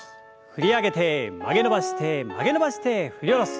振り上げて曲げ伸ばして曲げ伸ばして振り下ろす。